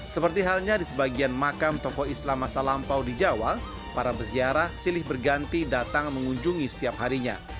seperti halnya di sebagian makam tokoh islam masa lampau di jawa para peziarah silih berganti datang mengunjungi setiap harinya